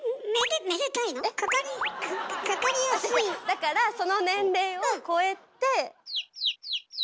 だからその年齢を超えて。